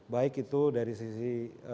baik itu dari sisi